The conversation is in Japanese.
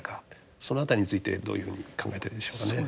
その辺りについてどういうふうに考えているでしょうかね。